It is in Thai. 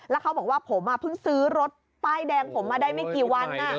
แล้วเขาบอกว่าผมเพิ่งซื้อรถป้ายแดงผมมาได้ไม่กี่วัน